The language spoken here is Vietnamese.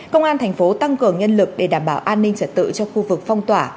công an thành phố tăng cường nhân lực để đảm bảo an ninh trật tự cho khu vực phong tỏa